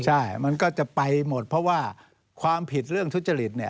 ใช่มันก็จะไปหมดเพราะว่าความผิดเรื่องทุจริตเนี่ย